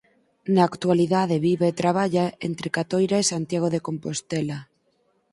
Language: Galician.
Na actualidade vive e traballa entre Catoira e Santiago de Compostela.